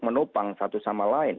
menopang satu sama lain